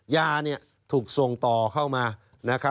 ยาถูกส่งต่อเข้ามา